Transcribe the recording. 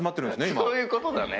そういうことだね。